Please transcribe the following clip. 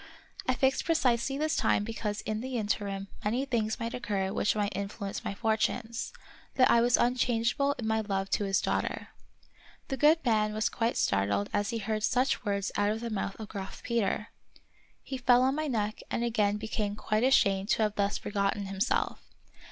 I fixed precisely this time because in the interim many things might occur which might influence my fortunes ; that I was unchangeable in my love to his daughter. The good man was quite startled as he heard such words out of the mouth of Graf Peter. He 48 The Wonderful History fell on my neck and again became quite ashamed to have thus forgotten himself.